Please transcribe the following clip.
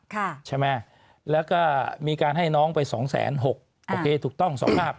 ใช่ไหมแล้วก็มีการให้น้องไปสองแสนหกโอเคถูกต้องสองภาพ